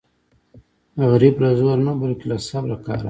غریب له زوره نه بلکې له صبره کار اخلي